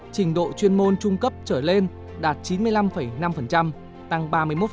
trình độ chuyên môn trung cấp trở lên đạt chín mươi năm năm tăng ba mươi một